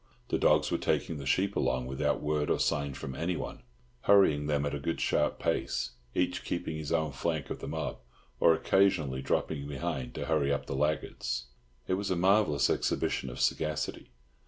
The dogs were taking the sheep along without word or sign from anyone, hurrying them at a good sharp pace, each keeping on his own flank of the mob, or occasionally dropping behind to hurry up the laggards. It was a marvellous exhibition of sagacity.